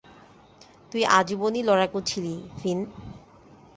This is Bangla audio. তুই আজীবন-ই লড়াকু ছিলি, ফিন।